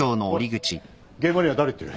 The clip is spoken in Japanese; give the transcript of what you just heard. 現場には誰行ってる？